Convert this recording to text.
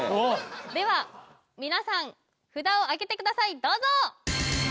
では皆さん札をあげてくださいどうぞ！